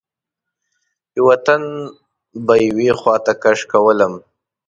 یوه تن به یوې خواته کش کولم.